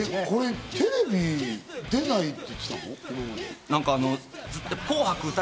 これ、テレビ出ないって言ってたの？